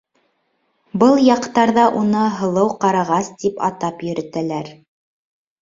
Был яҡтарҙа уны «Һылыу ҡарағас» тип атап йөрөтәләр.